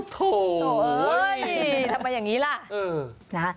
ทำไมอย่างนี้ล่ะ